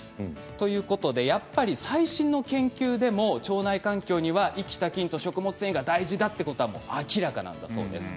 ということでやっぱり最新の研究でも腸内環境には生きた菌と食物繊維が大事だってことはもう明らかなんだそうです。